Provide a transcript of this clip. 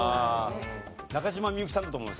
中島みゆきさんだと思います？